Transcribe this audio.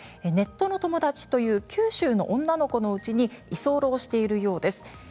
ネットの友達という九州の女の子のうちに居候しているようです。